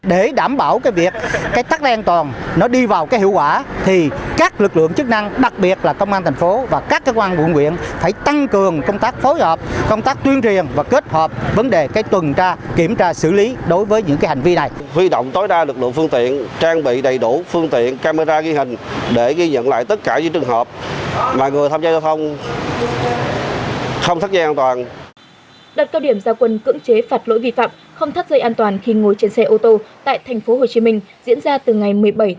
đợt cao điểm gia quân cưỡng chế phạt lỗi vi phạm không thắt dây an toàn khi ngồi trên xe ô tô tại tp hcm diễn ra từ ngày một mươi bảy ba một mươi bảy sáu hai nghìn một mươi chín